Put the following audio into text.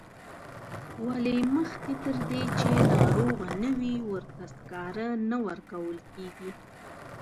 ولې مخکې تر دې چې ناروغه نه وي ورته سکاره نه ورکول کیږي.